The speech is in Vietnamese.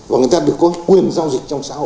và người ta được có quyền giao dịch trong xã hội